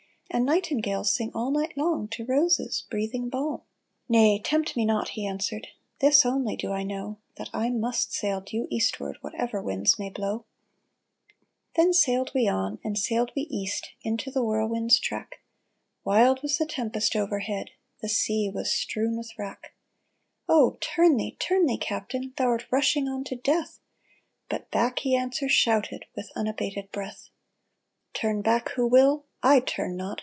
And nightingales sing all night long To roses breathing balm." 364 SEALED ORDERS *' Nay, tempt me not," he answered, " This only do I know, That I must sail due eastward Whatever winds may blow !"* Then sailed we on, and sailed we east Into the whirlwind's track. Wild was the tempest overhead, The sea was strewn with wrack. " Oh, turn thee, turn thee, captain, Thou'rt rushing on to death !" But back he answer shouted, With unabated breath :" Turn back who will, I turn not!